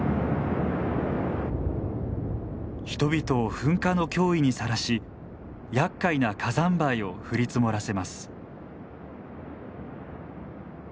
人々を噴火の脅威にさらしやっかいな火山灰を降り積もらせます。